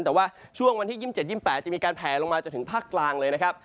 แต่ว่าช่วงวันที่๒๗๒๘จะมีการแผลลงมาจนถึงภาคกลางเลยนะครับ